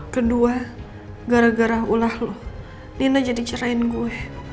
kedua gara gara ulah lo dina jadi cerain gue